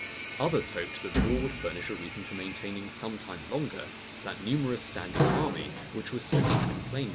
Others hoped, that the war would furnish a reason for maintaining, some time longer, that numerous standing army, which was so much complained of.